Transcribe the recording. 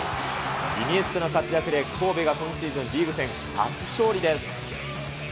イニエスタの活躍で神戸が今シーズン、リーグ戦初勝利です。